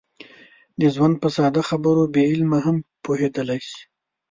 د ژوند په ساده خبرو بې علمه هم پوهېدلی شي.